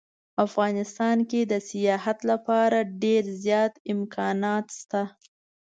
افغانستان کې د سیاحت لپاره ډیر زیات امکانات شته